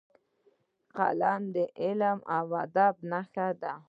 قلم د علم او ادب نښه ده